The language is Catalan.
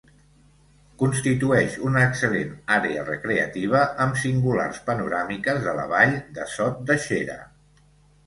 Constituïx una excel·lent àrea recreativa amb singulars panoràmiques de la vall de Sot de Xera.